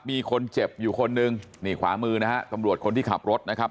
มีคนเจ็บอยู่คนนึงนี่ขวามือนะฮะตำรวจคนที่ขับรถนะครับ